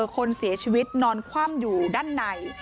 คนเสียชีวิตนอนคว่ำอยู่ด้านใน